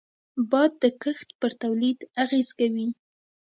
باد د کښت پر تولید اغېز کوي